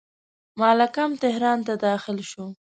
مالکم تهران ته داخل شو.